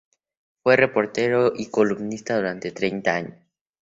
Fue reportero y columnista durante treinta años.